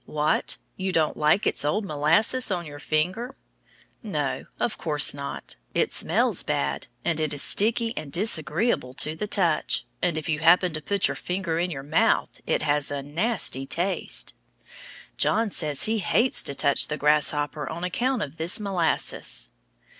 What? You don't like its old molasses on your finger? No, of course not. It smells bad, and it is sticky and disagreeable to the touch, and if you happen to put your finger in your mouth it has a nasty taste. John says he hates to touch the grasshopper on account of this molasses.